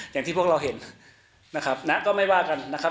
อย่างที่พวกเราเห็นนะครับนะก็ไม่ว่ากันนะครับ